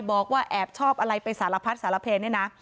บอกว่าแอบชอบอะไรไปสารพัดสารเพลเนี่ยนะ